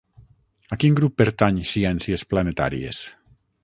A quin grup pertany Ciències Planetàries?